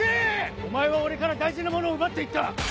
お前は俺から大事なものを奪って行った！